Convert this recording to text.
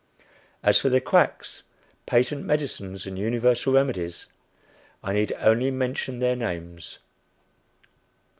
As for the quacks, patent medicines and universal remedies, I need only mention their names.